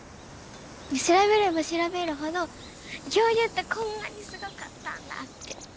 調べれば調べるほど恐竜ってこんなにすごかったんだって。